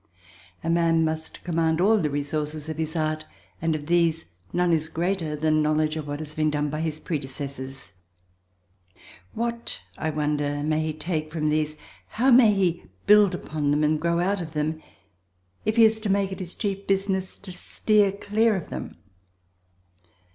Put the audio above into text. A man must command all the resources of his art, and of these none is greater than knowledge of what has been done by predecessors. What, I wonder, may he take from these—how may he build himself upon them and grow out of them—if he is to make it his chief business to steer clear of them?